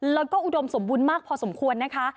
แล้วก็อุดมสมบูรณ์มากพอสมควรนะคะ